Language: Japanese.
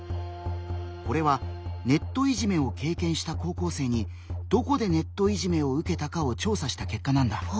これはネットいじめを経験した高校生に「どこでネットいじめを受けたか」を調査した結果なんだ。